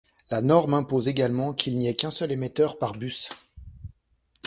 La norme impose également qu'il n'y ait qu'un seul émetteur par bus.